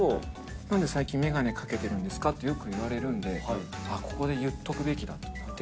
なんで最近眼鏡かけてるんですかってよく言われるんで、ここで言っておくべきだと思って。